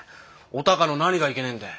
お孝の何がいけねえんだ？